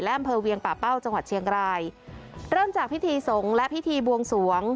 อำเภอเวียงป่าเป้าจังหวัดเชียงรายเริ่มจากพิธีสงฆ์และพิธีบวงสวง